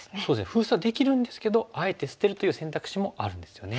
封鎖できるんですけどあえて捨てるという選択肢もあるんですよね。